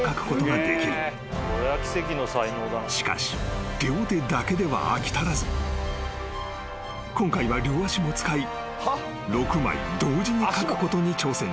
［しかし両手だけでは飽き足らず今回は両足も使い６枚同時に描くことに挑戦した］